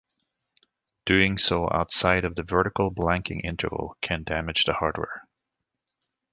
Doing so outside of the vertical blanking interval can damage the hardware.